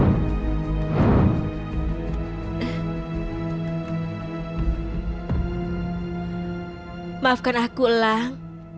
yang penting semua sudah berakhir ratu